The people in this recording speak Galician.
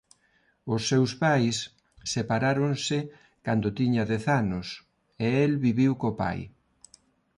Os seus pais separáronse cando tiña dez anos e el viviu co pai.